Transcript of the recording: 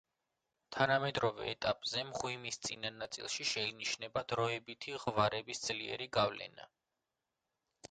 თანამედროვე ეტაპზე მღვიმის წინა ნაწილში შეინიშნება დროებითი ღვარების ძლიერი გავლენა.